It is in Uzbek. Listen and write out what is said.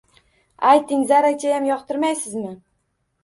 Ayting, zarrachayam yoqtirmaysizmi